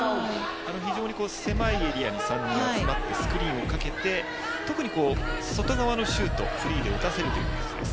非常に狭いエリアに３人集まってスクリーンをかけて特に、外側のシュートをフリーで打たせるという感じです。